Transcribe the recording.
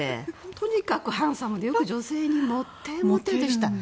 とにかくハンサムでよく女性にモテていました。